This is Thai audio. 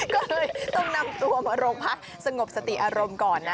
ก็เลยต้องนำตัวมาโรงพักสงบสติอารมณ์ก่อนนะ